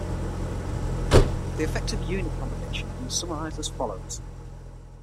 The effect of unit propagation can be summarized as follows.